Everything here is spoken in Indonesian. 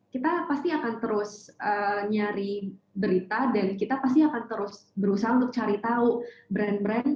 kita pasti akan terus nyari berita dan kita pasti akan terus berusaha untuk cari tahu brand brand